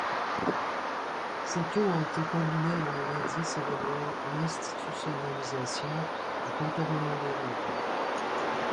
Ces taux ont été combinés en un indice évaluant l'institutionnalisation du contournement des règles.